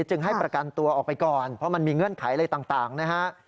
จึงให้ประกันตัวออกไปก่อนเพราะมันมีเงื่อนไขอะไรต่างนะฮะ